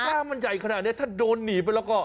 ถ้ามันใหญ่ขนาดนี้ถ้าโดนหนีไปแล้วก็